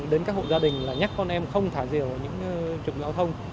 đến các hộ gia đình nhắc con em không thả diều ở những trực giao thông